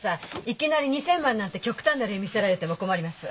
いきなり２，０００万なんて極端な例見せられても困ります。